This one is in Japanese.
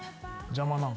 邪魔なの？